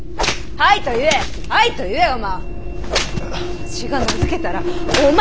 はいと言えお万！